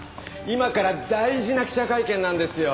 今から大事な記者会見なんですよ。